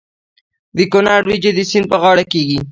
د کونړ وریجې د سیند په غاړه کیږي.